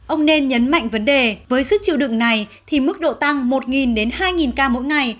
ông nên nhấn mạnh vấn đề với sức chịu đựng này thì mức độ tăng một đến hai ca mỗi ngày